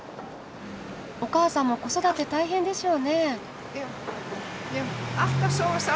お母さんも子育て大変でしょうね？